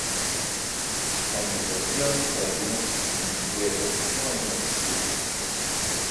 Con excepción de algunos minijuegos, no hay un objetivo concreto.